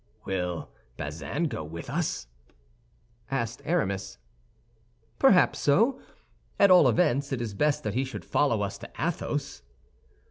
"Will Bazin go with us?" asked Aramis. "Perhaps so. At all events, it is best that he should follow us to Athos's."